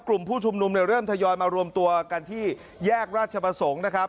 กลุ่มผู้ชุมนุมเนี่ยเริ่มทยอยมารวมตัวกันที่แยกราชประสงค์นะครับ